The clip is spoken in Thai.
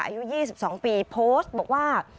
อายุ๒๒ปีโพสต์บอกว่า